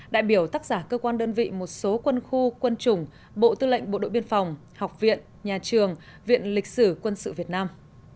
đại biểu tác giả cơ quan đơn vị một số quân khu quân chủng bộ tư lệnh bộ đội biên phòng học viện nhà trường viện lịch sử quân sự việt nam